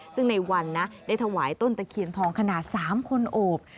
ซึ่งในวันนะได้ถวายต้นตะเคียนทองขนาด๓คนโอบ